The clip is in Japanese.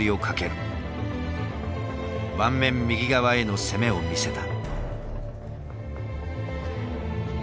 盤面右側への攻めを見せた。